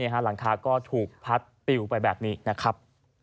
หลังคาก็ถูกพัดปิวไปแบบนี้นะครับ